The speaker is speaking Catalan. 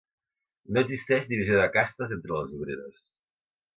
No existeix divisió de castes entre les obreres.